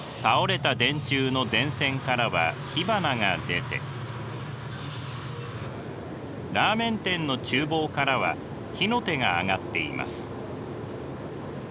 倒れた電柱の電線からは火花が出てラーメン店のちゅう房からは火の手が上がっています。